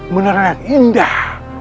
menarilah yang indah